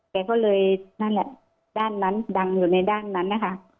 แกก็เลยนั่นแหละด้านนั้นดังอยู่ในด้านนั้นนะคะ